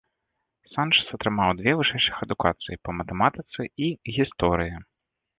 Санчэс атрымаў две вышэйшых адукацыі па матэматыцы і гісторыі.